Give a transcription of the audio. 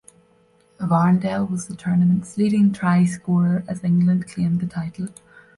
Varndell was the tournament's leading try scorer as England claimed the title.